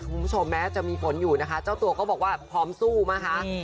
คุณผู้ชมแม้จะมีฝนอยู่นะคะเจ้าตัวก็บอกว่าพร้อมสู้มาคะนี่